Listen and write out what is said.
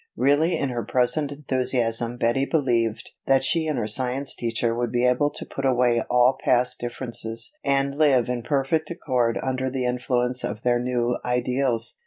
Really in her present enthusiasm Betty believed that she and her science teacher would be able to put away all past differences and live in perfect accord under the influence of their new ideals.